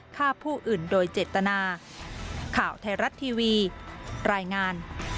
ฆ่าผู้อื่นโดยเจตนา